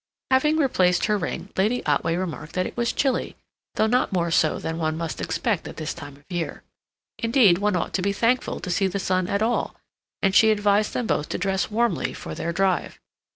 Having replaced her ring, Lady Otway remarked that it was chilly, though not more so than one must expect at this time of year. Indeed, one ought to be thankful to see the sun at all, and she advised them both to dress warmly for their drive.